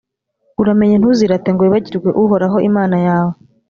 uramenye ntuzirate ngo wibagirwe uhoraho imana yawe.